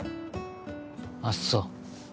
あっそう